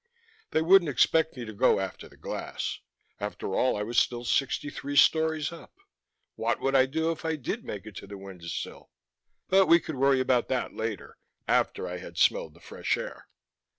They wouldn't expect me to go after the glass; after all, I was still sixty three stories up. What would I do if I did make it to the window sill? But we could worry about that later, after I had smelled the fresh air.